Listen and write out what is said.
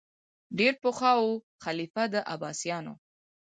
ډېر پخوا وو خلیفه د عباسیانو